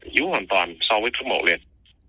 yếu hoàn toàn so với thuốc mổ liệt